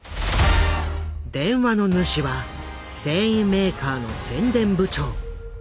電話の主は繊維メーカーの宣伝部長遠入昇。